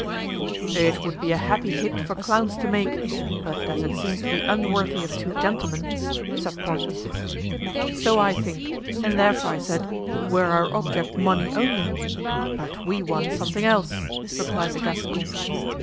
"It would be a happy hit for clowns to make, but as it seems to be unworthy of two gentlemen——" said Porthos. "So I think; and therefore I said, 'Were our object money only;' but we want something else," replied the Gascon.